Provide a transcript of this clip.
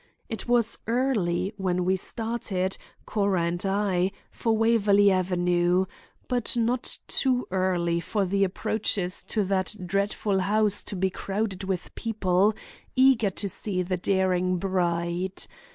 It was early when we started, Cora and I, for Waverley Avenue, but not too early for the approaches to that dreadful house to be crowded with people, eager to see the daring bride.